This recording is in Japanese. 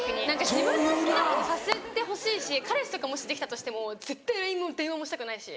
自分の好きなことさせてほしいし彼氏とかもしできたとしても絶対ＬＩＮＥも電話もしたくないし。